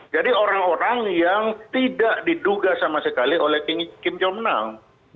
jadi orang orang yang tidak diduga sama sekali oleh kim jong nam